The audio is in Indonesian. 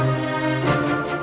kami tidak takut